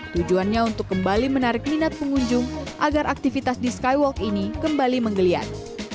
tujuannya untuk kembali menarik minat pengunjung agar aktivitas di skywalk ini kembali menggeliat